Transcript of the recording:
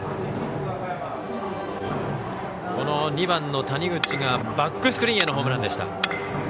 ２番の谷口がバックスクリーンへのホームランでした。